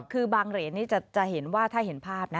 คือบางเหรียญนี่จะเห็นว่าถ้าเห็นภาพนะ